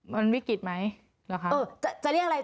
มันวิกฤตไหมจะเรียกอะไร